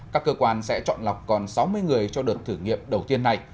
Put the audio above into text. các cơ quan sẽ chọn lọc còn sáu mươi người cho đợt thử nghiệm đầu tiên này